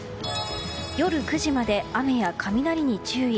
夜９時まで雨や雷に注意。